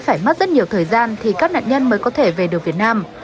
phải mất rất nhiều thời gian thì các nạn nhân mới có thể về được việt nam